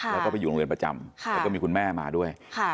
แล้วก็ไปอยู่โรงเรียนประจำแล้วก็มีคุณแม่มาด้วย